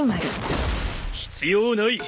必要ない！